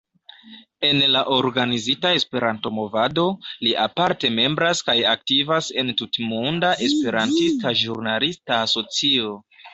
En la organizita Esperanto-movado, li aparte membras kaj aktivas en Tutmonda Esperantista Ĵurnalista Asocio.